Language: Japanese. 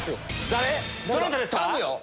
誰⁉どなたですか？